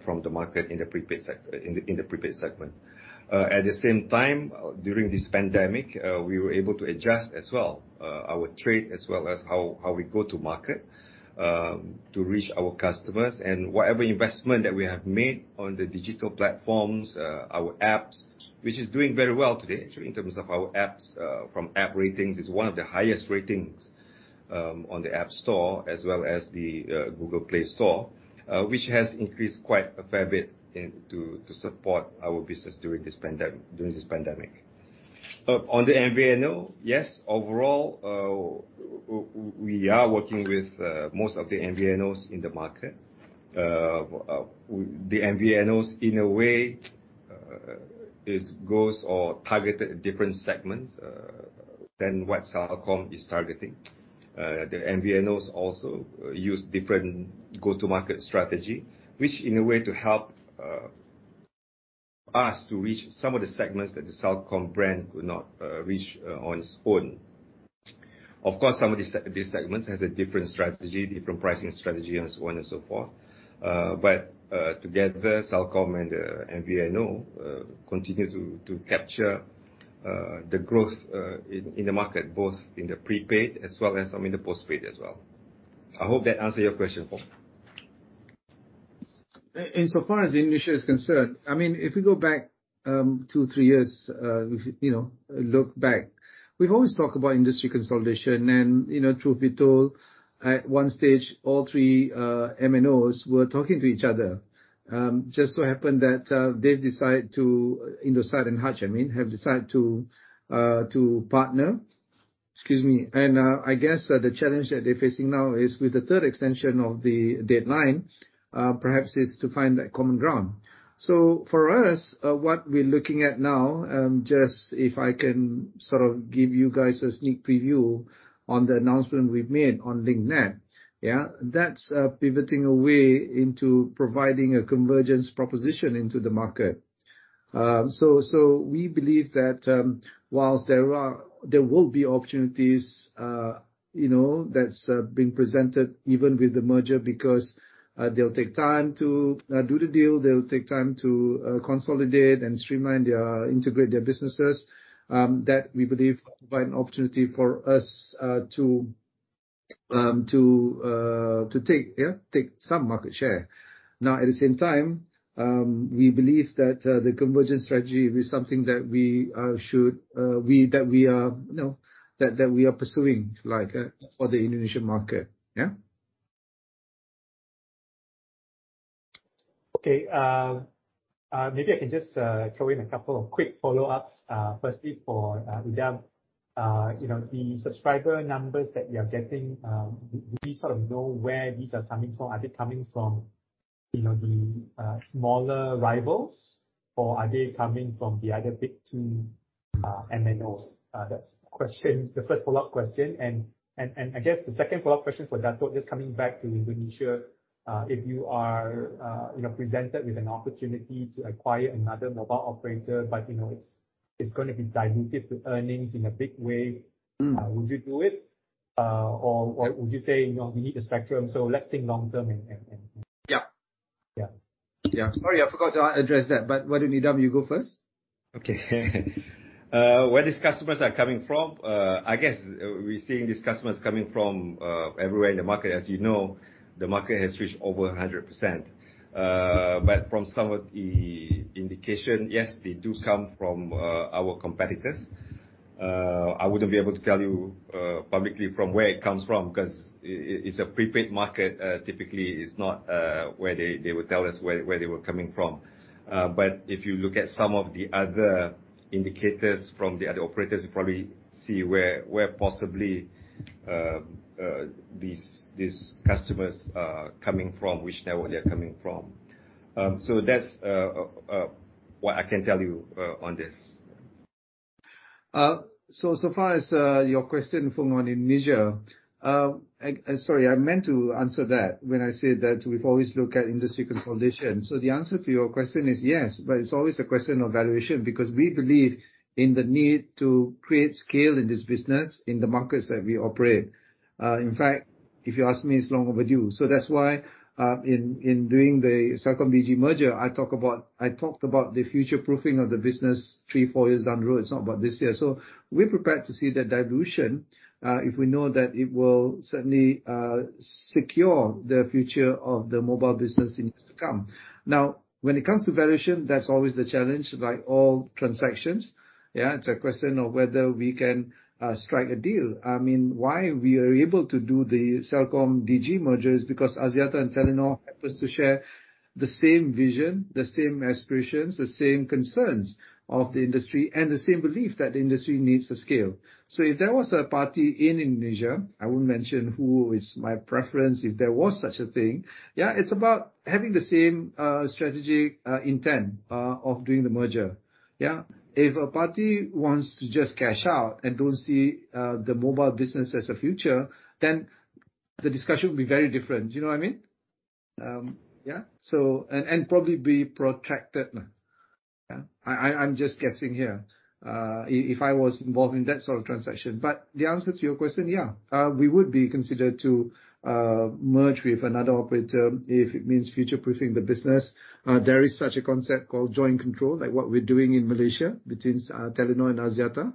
from the market in the prepaid segment. At the same time, during this pandemic, we were able to adjust as well, our trade, as well as how we go to market to reach our customers and whatever investment that we have made on the digital platforms, our apps, which is doing very well today. In terms of our apps, from app ratings, it's one of the highest ratings on the App Store, as well as the Google Play Store, which has increased quite a fair bit to support our business during this pandemic. On the MVNO, yes, overall, we are working with most of the MVNOs in the market. The MVNOs, in a way, goes or targeted different segments than what Celcom is targeting. The MVNOs also use different go-to-market strategy, which in a way to help us to reach some of the segments that the Celcom brand could not reach on its own. Of course, some of these segments has a different strategy, different pricing strategy, and so on and so forth. Together, Celcom and the MVNO continue to capture the growth in the market, both in the prepaid as well as in the postpaid as well. I hope that answer your question, Foong.
Insofar as Indonesia is concerned, if we go back two, three years, look back, we've always talked about industry consolidation and, truth be told, at one stage, all three MNOs were talking to each other. Just so happened that they've decided to Indosat and Hutchison, I mean, have decided to partner. Excuse me. I guess the challenge that they're facing now is with the third extension of the deadline, perhaps is to find that common ground. For us, what we're looking at now, just if I can give you guys a sneak preview on the announcement we've made on Link Net. Yeah. That's pivoting away into providing a convergence proposition into the market. We believe that whilst there will be opportunities that's being presented even with the merger, because they'll take time to do the deal, they'll take time to consolidate and streamline, integrate their businesses, that we believe provide an opportunity for us to take some market share. At the same time, we believe that the convergence strategy will be something that we are pursuing for the Indonesian market. Yeah.
Okay. Maybe I can just throw in a couple of quick follow-ups. Firstly, for Idham. The subscriber numbers that we are getting, do we know where these are coming from? Are they coming from the smaller rivals, or are they coming from the other big two MNOs? That's the first follow-up question. I guess the second follow-up question for Dato', just coming back to Indonesia. If you are presented with an opportunity to acquire another mobile operator, but it's going to be dilutive to earnings in a big way, would you do it? Would you say, we need the spectrum, so let's think long term.
Yeah.
Yeah.
Yeah. Sorry, I forgot to address that, but why don't you, Idham, you go first?
Okay. Where these customers are coming from? I guess we're seeing these customers coming from everywhere in the market. As you know, the market has reached over 100%. From some of the indications, yes, they do come from our competitors. I wouldn't be able to tell you publicly from where it comes from, because it's a prepaid market. Typically, it's not where they would tell us where they were coming from. If you look at some of the other indicators from the other operators, you probably see where possibly these customers are coming from, which network they're coming from. That's what I can tell you on this.
Far as your question, Foong, on Indonesia. Sorry, I meant to answer that when I said that we've always looked at industry consolidation. The answer to your question is yes, but it's always a question of valuation because we believe in the need to create scale in this business in the markets that we operate. In fact, if you ask me, it's long overdue. That's why, in doing the CelcomDigi merger, I talked about the future-proofing of the business three, four years down the road. It's not about this year. We're prepared to see the dilution, if we know that it will certainly secure the future of the mobile business in years to come. Now, when it comes to valuation, that's always the challenge, like all transactions. Yeah. It's a question of whether we can strike a deal. Why we are able to do the CelcomDigi merger is because Axiata and Telenor happens to share the same vision, the same aspirations, the same concerns of the industry, and the same belief that the industry needs to scale. If there was a party in Indonesia, I wouldn't mention who is my preference, if there was such a thing. It's about having the same strategy intent of doing the merger. If a party wants to just cash out and don't see the mobile business as a future, then the discussion will be very different. Do you know what I mean? Yeah. Probably be protracted. Yeah. I'm just guessing here. If I was involved in that sort of transaction. The answer to your question, yeah, we would be considered to merge with another operator if it means future-proofing the business. There is such a concept called joint control, like what we're doing in Malaysia between Telenor and Axiata.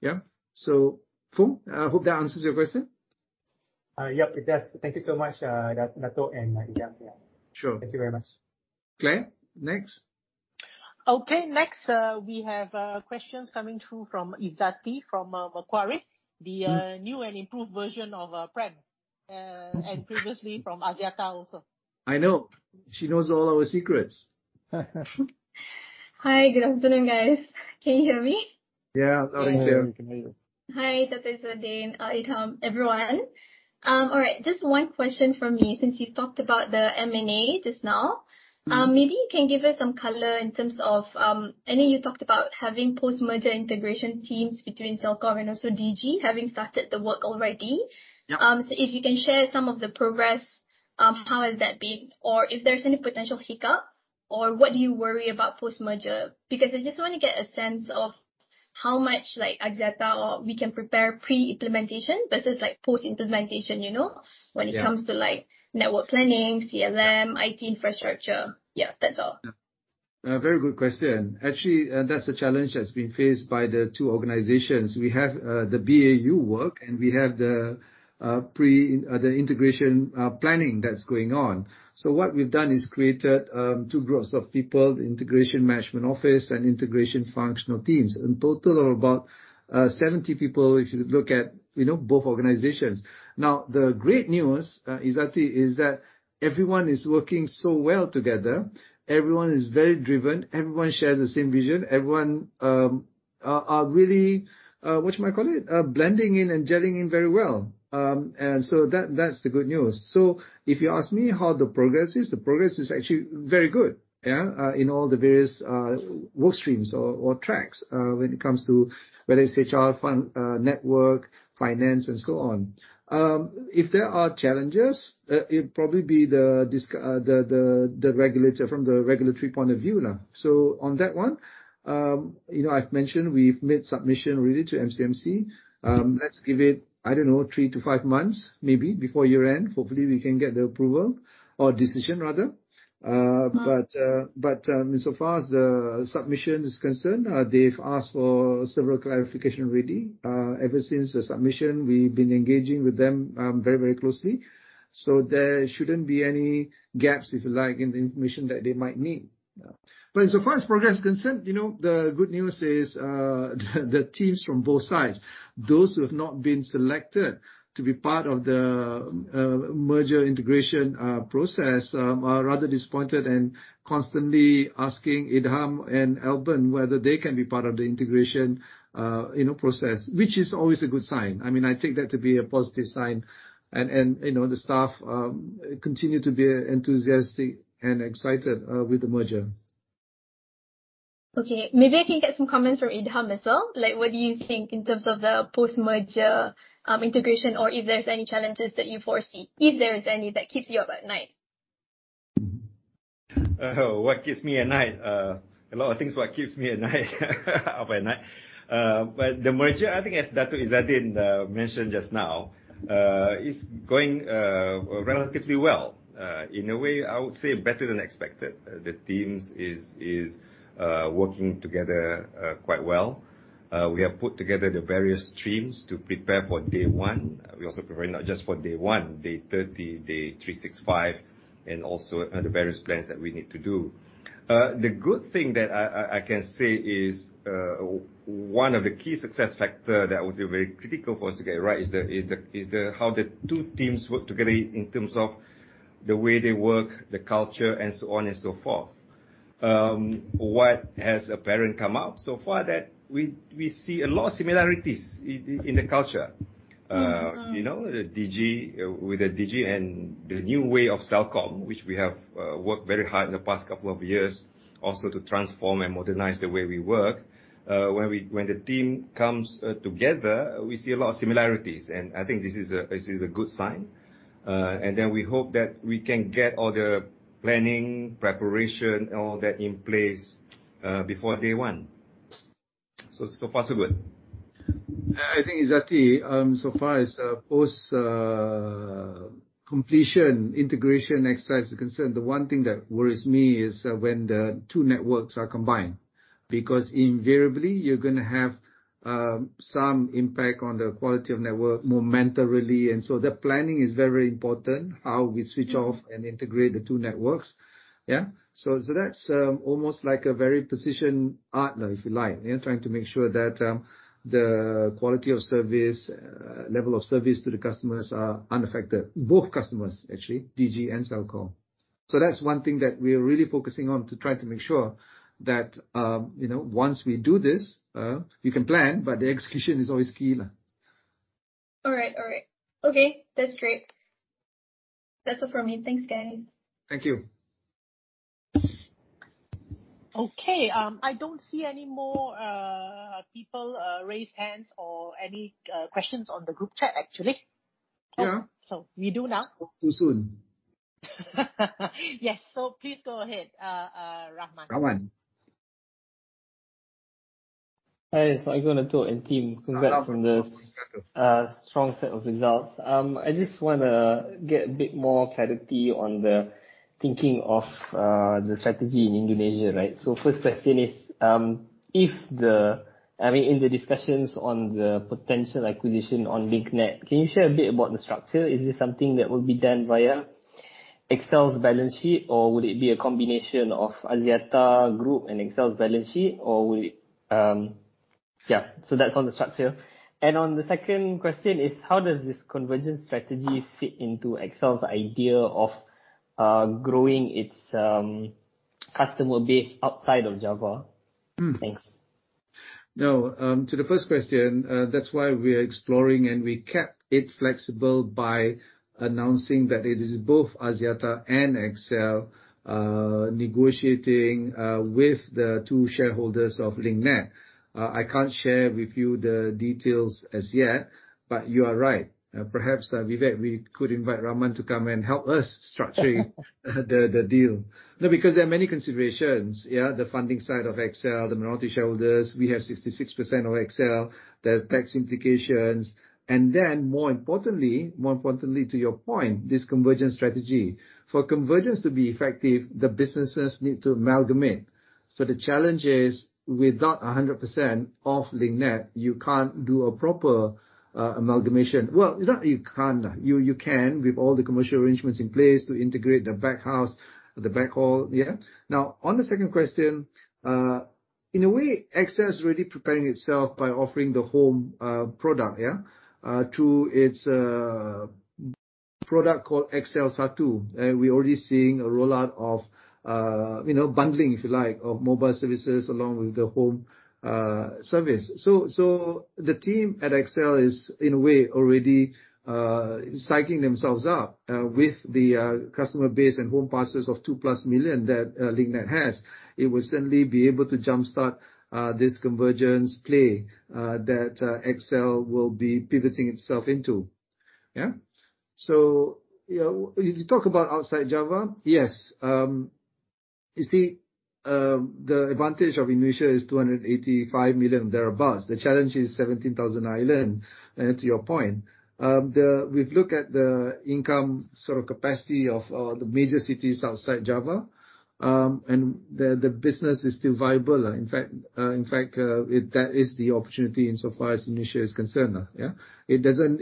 Yeah. Foong, I hope that answers your question.
Yep, it does. Thank you so much, Dato' and Idham. Yeah. Sure. Thank you very much.
Clare, next.
Okay. Next, we have questions coming through from Izzati, from Macquarie, the new and improved version of Prem, and previously from Axiata also.
I know. She knows all our secrets.
Hi, good afternoon, guys. Can you hear me?
Yeah. Loud and clear.
Yes, we can hear you.
Hi, Dato' Izzaddin, Idham, everyone. All right, just one question from me since you've talked about the M&A just now. Maybe you can give us some color in terms of, I know you talked about having post-merger integration teams between Celcom and also Digi, having started the work already.
Yeah.
If you can share some of the progress, how has that been? If there's any potential hiccup, or what do you worry about post-merger? I just want to get a sense of how much Axiata or we can prepare pre-implementation versus post-implementation, you know?
Yeah.
When it comes to network planning, CLM, IT infrastructure. Yeah, that's all.
Yeah. Very good question. Actually, that's a challenge that's been faced by the two organizations. We have the BAU work and we have the integration planning that's going on. What we've done is created two groups of people, the integration management office and integration functional teams. In total are about 70 people if you look at both organizations. Now, the great news, Izzati, is that everyone is working so well together. Everyone is very driven. Everyone shares the same vision. Everyone are really, what you might call it, blending in and gelling in very well. That's the good news. If you ask me how the progress is, the progress is actually very good, yeah, in all the various work streams or tracks when it comes to whether it's HR, network, finance, and so on. If there are challenges, it'd probably be from the regulatory point of view. On that one, I've mentioned we've made submission already to MCMC. Let's give it, I don't know, three to five months, maybe before year-end. Hopefully, we can get the approval or decision, rather. Insofar as the submission is concerned, they've asked for several clarification already. Ever since the submission, we've been engaging with them very closely. There shouldn't be any gaps, if you like, in the information that they might need. Insofar as progress is concerned, the good news is the teams from both sides, those who have not been selected to be part of the merger integration process are rather disappointed and constantly asking Idham and Alvin whether they can be part of the integration process, which is always a good sign. I take that to be a positive sign. The staff continue to be enthusiastic and excited with the merger.
Okay, maybe I can get some comments from Idham as well. What do you think in terms of the post-merger integration or if there's any challenges that you foresee, if there is any that keeps you up at night?
What keeps me at night? A lot of things what keeps me up at night. The merger, I think as Dato' Izzaddin mentioned just now, is going relatively well. In a way, I would say better than expected. The teams is working together quite well. We have put together the various teams to prepare for day one. We're also preparing not just for day one, day 30, day 365, and also the various plans that we need to do. The good thing that I can say is, one of the key success factor that would be very critical for us to get right is how the two teams work together in terms of the way they work, the culture, and so on and so forth. What has apparent come up so far that we see a lot of similarities in the culture. With the Digi and the new way of Celcom, which we have worked very hard in the past couple of years also to transform and modernize the way we work. When the team comes together, we see a lot of similarities, and I think this is a good sign. We hope that we can get all the planning, preparation, all that in place before day one. So far, so good.
I think, Izzati, so far as post completion integration exercise is concerned, the one thing that worries me is when the two networks are combined, because invariably you're going to have some impact on the quality of network momentarily, the planning is very important, how we switch off and integrate the two networks. Yeah. That's almost like a very precision art, if you like. Trying to make sure that the quality of service, level of service to the customers are unaffected. Both customers, actually, Digi and Celcom. That's one thing that we're really focusing on to try to make sure that once we do this, we can plan, the execution is always key.
All right. Okay, that's great. That's all from me. Thanks, guys.
Thank you.
Okay. I don't see any more people raise hands or any questions on the group chat, actually.
Yeah.
We do now.
Talk too soon.
Yes. Please go ahead, Rahman.
Rahman.
Hi. Dato' Izzaddin and team. Congrats on this strong set of results. I just want to get a bit more clarity on the thinking of the strategy in Indonesia. First question is, in the discussions on the potential acquisition on Link Net, can you share a bit about the structure? Is this something that will be done via XL's balance sheet or will it be a combination of Axiata Group and XL's balance sheet? That's on the structure. On the second question is how does this convergence strategy fit into XL's idea of growing its customer base outside of Java? Thanks.
To the first question, that's why we're exploring and we kept it flexible by announcing that it is both Axiata and XL negotiating with the two shareholders of Link Net. I can't share with you the details as yet but you are right. Perhaps, Vivek, we could invite Rahman to come and help us structure the deal. Because there are many considerations. The funding side of XL, the minority shareholders, we have 66% of XL, the tax implications and then more importantly to your point, this convergence strategy. For convergence to be effective, the businesses need to amalgamate. The challenge is without 100% of Link Net you can't do a proper amalgamation. Not you can't. You can with all the commercial arrangements in place to integrate the back house, the back haul. On the second question, in a way, XL is already preparing itself by offering the home product to its product called XL SATU. We're already seeing a rollout of bundling, if you like, of mobile services along with the home service. The team at XL is in a way already psyching themselves up with the customer base and home passes of 2+ million that Link Net has. It will certainly be able to jump-start this convergence play that XL will be pivoting itself into. You talk about outside Java. Yes. You see, the advantage of Indonesia is 285 million thereabouts. The challenge is 17,000 island. To your point, we've looked at the income capacity of the major cities outside Java, and the business is still viable. In fact, that is the opportunity insofar as Indonesia is concerned. It doesn't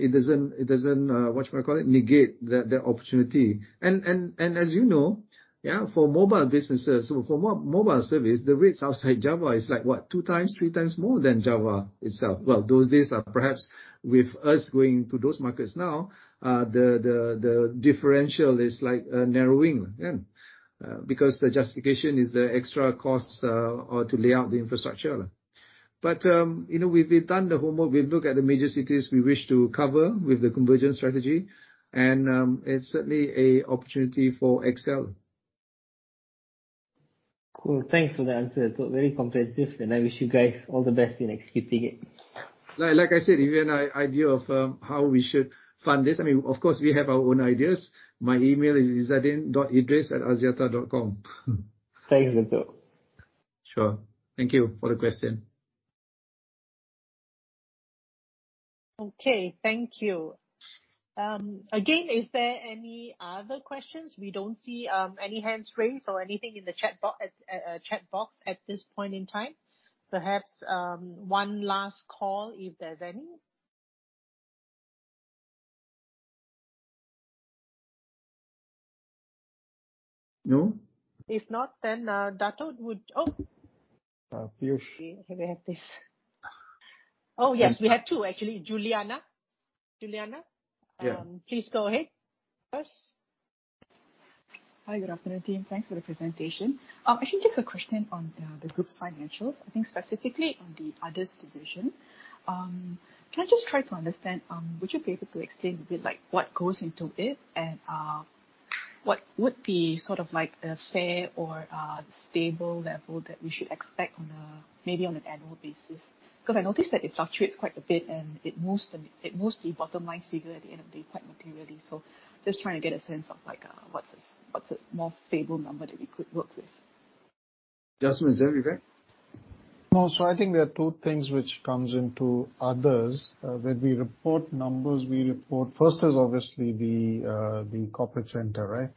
negate the opportunity. As you know for mobile businesses, for mobile service the rates outside Java is like what? Two times, three times more than Java itself. Well, those days are perhaps with us going to those markets now the differential is narrowing because the justification is the extra costs or to lay out the infrastructure. We've done the homework. We've looked at the major cities we wish to cover with the convergence strategy. It's certainly a opportunity for XL.
Cool. Thanks for the answer. It's all very comprehensive and I wish you guys all the best in executing it.
Like I said, if you have an idea of how we should fund this, of course we have our own ideas. My email is izzaddin.idris@axiata.com.
Thanks.
Sure. Thank you for the question.
Okay. Thank you. Again, is there any other questions? We don't see any hands raised or anything in the chat box at this point in time. Perhaps, one last call if there's any.
No.
If not, then Dato' would Oh.
Piyush.
Here we have this. Oh yes, we have two actually. Juliana.
Yeah
Please go ahead first.
Hi. Good afternoon, team. Thanks for the presentation. Actually just a question on the group's financials. I think specifically on the others division. Can I just try to understand, would you be able to explain a bit what goes into it and what would be a fair or stable level that we should expect maybe on an annual basis? I noticed that it fluctuates quite a bit and it mostly bottom-line figure at the end of the day quite materially. Just trying to get a sense of what's a more stable number that we could work with.
Vivek?
No. I think there are two things which comes into others. When we report numbers, we report first is obviously the corporate center,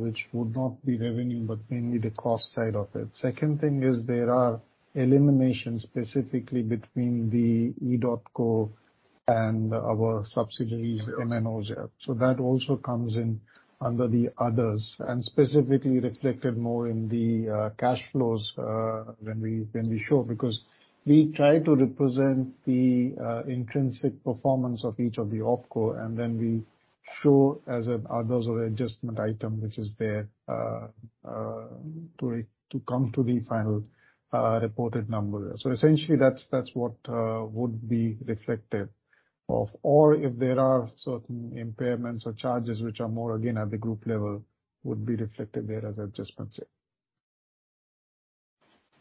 which would not be revenue but mainly the cost side of it. Second thing is there are eliminations specifically between the edotco and our subsidiaries, MNOs. That also comes in under the others and specifically reflected more in the cash flows when we show because we try to represent the intrinsic performance of each of the OpCo and then we show as others or adjustment item which is there to come to the final reported number. Essentially, that's what would be reflected. Or if there are certain impairments or charges which are more, again, at the group level, would be reflected there as adjustments here.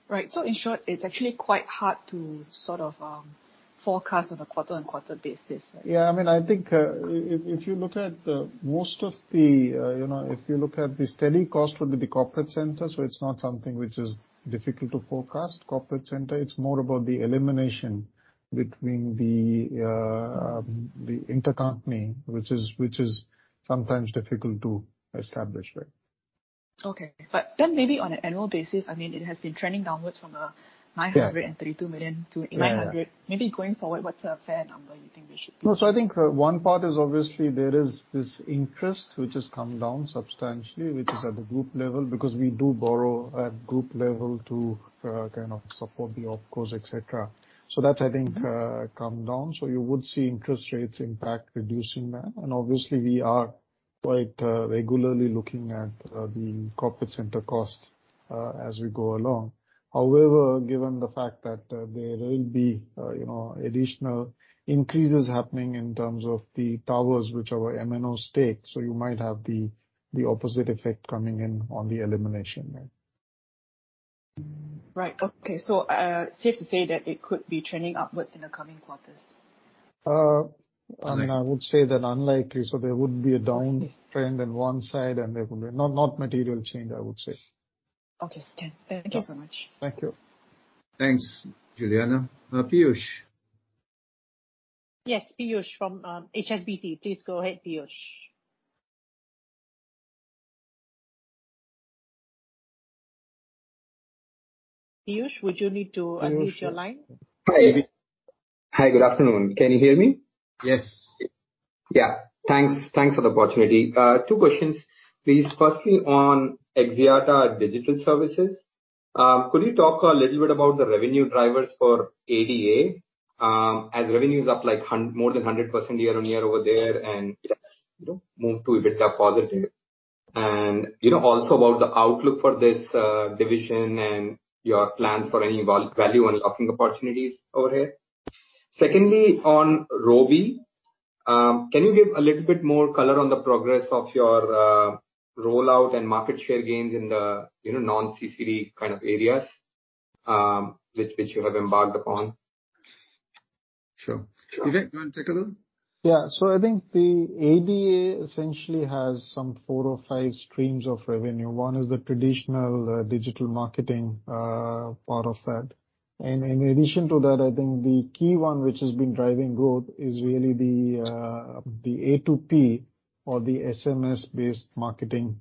Right. In short, it's actually quite hard to forecast on a quarter-on-quarter basis. Yeah. I think if you look at the steady cost would be the corporate center. It's not something which is difficult to forecast. Corporate center, it's more about the elimination between the intercompany, which is sometimes difficult to establish. Okay. Maybe on an annual basis, it has been trending downwards from 932 million to 800 million. Maybe going forward, what's a fair number you think we should be looking at? No, I think one part is obviously there is this interest which has come down substantially, which is at the group level, because we do borrow at group level to support the OpCos, et cetera. That's, I think, come down. You would see interest rates impact reducing that. Obviously, we are quite regularly looking at the corporate center cost as we go along. However, given the fact that there will be additional increases happening in terms of the towers, which are our MNO stake, you might have the opposite effect coming in on the elimination. Right. Okay. Safe to say that it could be trending upwards in the coming quarters? I would say that unlikely. There would be a downtrend on one side, and there would be not material change, I would say. Okay. Thank you so much. Thank you.
Thanks, Juliana. Piyush.
Yes, Piyush from HSBC. Please go ahead, Piyush. Piyush, would you need to unmute your line?
Hi. Good afternoon. Can you hear me?
Yes.
Yeah. Thanks for the opportunity. Two questions, please. Firstly, on Axiata Digital Services, could you talk a little bit about the revenue drivers for ADA, as revenue is up more than 100% year-on-year over there and moved to EBITDA positive. Also about the outlook for this division and your plans for any value unlocking opportunities over here. Secondly, on Robi. Can you give a little bit more color on the progress of your rollout and market share gains in the non-CCD kind of areas, which you have embarked upon?
Sure. Vivek, do you want to take a look?
Yeah. I think the ADA essentially has some four or five streams of revenue. One is the traditional digital marketing part of that. In addition to that, I think the key one which has been driving growth is really the A2P or the SMS-based marketing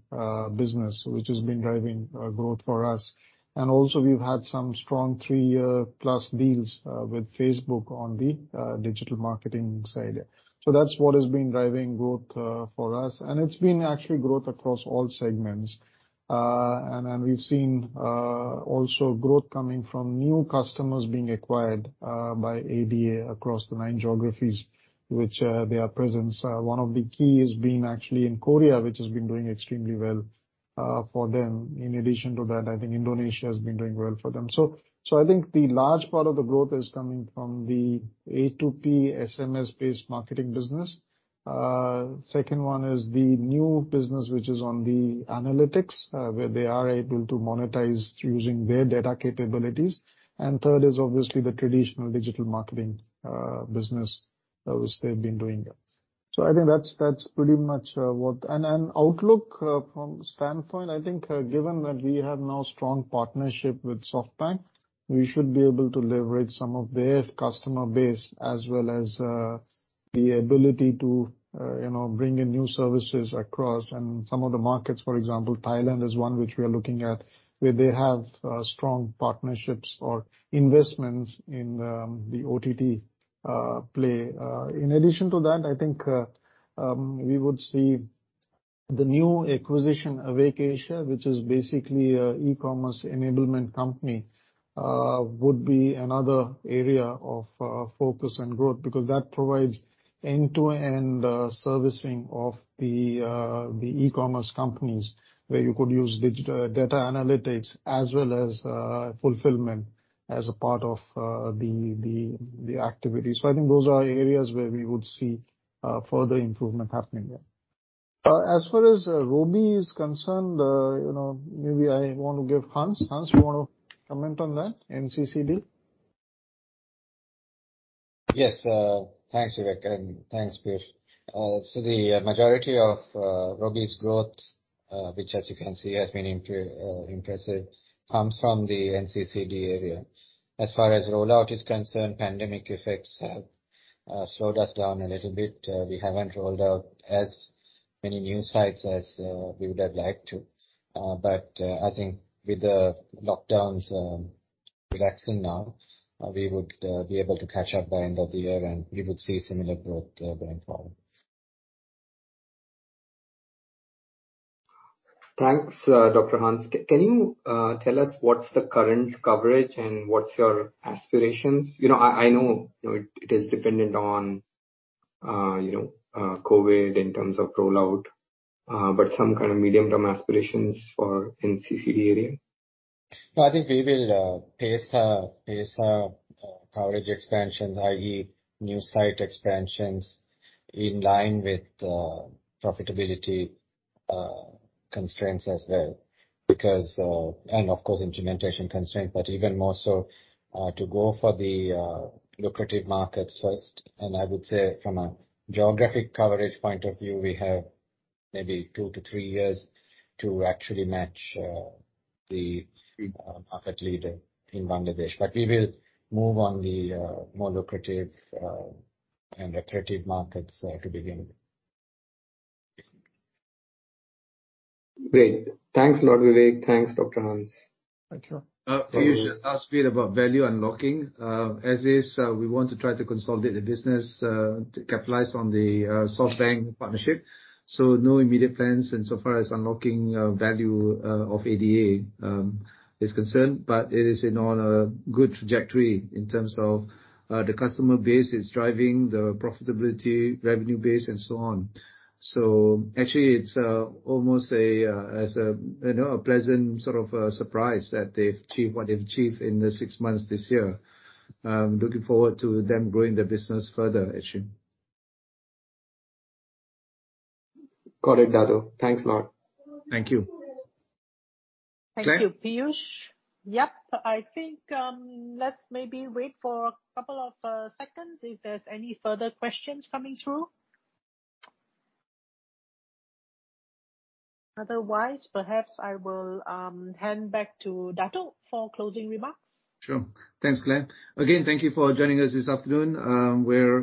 business, which has been driving growth for us. Also, we've had some strong three-year plus deals with Facebook on the digital marketing side. That's what has been driving growth for us, and it's been actually growth across all segments. We've seen also growth coming from new customers being acquired by ADA across the nine geographies which they are present. One of the key is being actually in Korea, which has been doing extremely well for them. In addition to that, I think Indonesia has been doing well for them. I think the large part of the growth is coming from the A2P SMS-based marketing business. Second one is the new business, which is on the analytics, where they are able to monetize using their data capabilities. Third is obviously the traditional digital marketing business, which they've been doing. I think that's pretty much what. Outlook from standpoint, I think given that we have now strong partnership with SoftBank, we should be able to leverage some of their customer base as well as the ability to bring in new services across some of the markets. For example, Thailand is one which we are looking at, where they have strong partnerships or investments in the OTT play. In addition to that, I think we would see the new acquisition, Awake Asia, which is basically an e-commerce enablement company, would be another area of focus and growth, because that provides end-to-end servicing of the e-commerce companies, where you could use data analytics as well as fulfillment as a part of the activities. I think those are areas where we would see further improvement happening there. As far as Robi is concerned, maybe I want to give Hans. Hans, you want to comment on that, NCCD?
Yes. Thanks, Vivek, and thanks, Piyush. The majority of Robi's growth, which as you can see, has been impressive, comes from the NCCD area. As far as rollout is concerned, pandemic effects have slowed us down a little bit. We haven't rolled out as many new sites as we would have liked to. I think with the lockdowns relaxing now, we would be able to catch up by end of the year and we would see similar growth going forward.
Thanks, Dr. Hans. Can you tell us what's the current coverage and what's your aspirations? I know it is dependent on COVID in terms of rollout, but some kind of medium-term aspirations for NCCD area?
I think we will pace our coverage expansions, i.e., new site expansions, in line with profitability constraints as well. Of course, implementation constraints, but even more so to go for the lucrative markets first. I would say from a geographic coverage point of view, we have maybe two to three years to actually match the market leader in Bangladesh. We will move on the more lucrative and attractive markets to begin with.
Great. Thanks a lot, Vivek. Thanks, Dr. Hans.
Thank you.
Piyush asked a bit about value unlocking. As is, we want to try to consolidate the business to capitalize on the SoftBank partnership. No immediate plans insofar as unlocking value of ADA is concerned. It is on a good trajectory in terms of the customer base it's driving, the profitability, revenue base, and so on. Actually, it's almost a pleasant sort of surprise what they've achieved in the six months this year. I'm looking forward to them growing the business further, actually.
Got it, Dato'. Thanks a lot.
Thank you. Clare?
Thank you, Piyush. Yep. I think let's maybe wait for a couple of seconds if there's any further questions coming through. Otherwise, perhaps I will hand back to Dato' for closing remarks.
Sure. Thanks, Clare. Thank you for joining us this afternoon. We're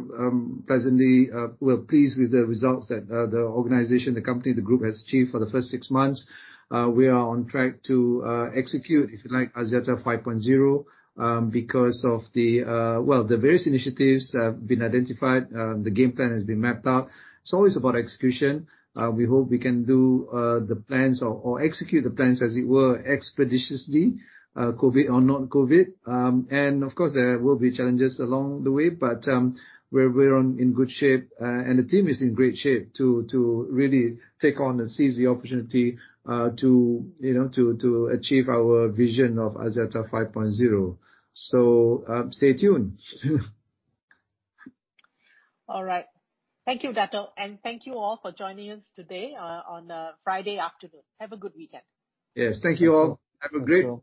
pleased with the results that the organization, the company, the group has achieved for the first six months. We are on track to execute, if you like, Axiata 5.0, because of the various initiatives that have been identified. The game plan has been mapped out. It's always about execution. We hope we can do the plans or execute the plans as it were, expeditiously, COVID or not COVID. Of course, there will be challenges along the way, but we're in good shape, and the team is in great shape to really take on and seize the opportunity to achieve our vision of Axiata 5.0. Stay tuned.
All right. Thank you, Dato', and thank you all for joining us today on a Friday afternoon. Have a good weekend.
Yes. Thank you all. Have a great day.